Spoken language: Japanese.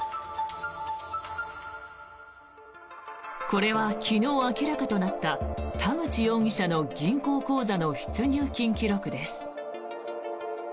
これは昨日明らかとなった田口容疑者の銀行口座の出入金記録です。